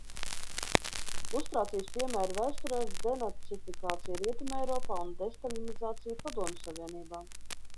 Lustrācijas piemēri vēsturē ir denacifikācija Rietumeiropā un destaļinizācija Padomju Savienībā.